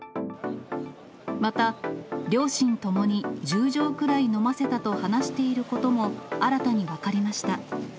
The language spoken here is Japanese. また、両親ともに１０錠ぐらい飲ませたと話していることも新たに分かりました。